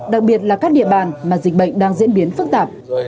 đặc biệt là các địa bàn mà dịch bệnh đang diễn biến phức tạp